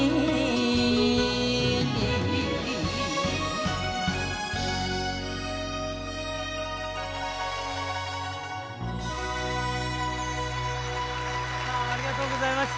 ５０回目ありがとうございました。